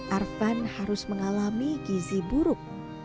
arvan harus mengalami gizi buruk